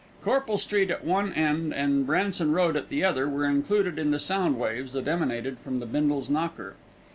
Corple Street at one end and Bransdon Road at the other, were included in the sound waves that emanated from the Bindles' knocker.